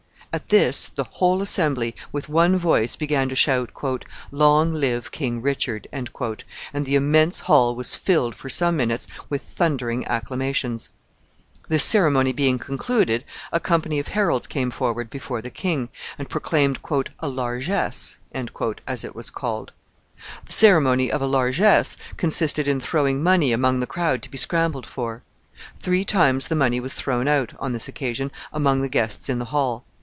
At this, the whole assembly, with one voice, began to shout, "Long live King Richard!" and the immense hall was filled, for some minutes, with thundering acclamations. This ceremony being concluded, a company of heralds came forward before the king, and proclaimed "a largesse," as it was called. The ceremony of a largesse consisted in throwing money among the crowd to be scrambled for. Three times the money was thrown out, on this occasion, among the guests in the hall.